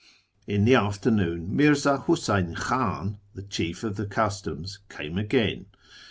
In the afternoon Mirza Huseyn Khan, the chief of tlie customs, came again.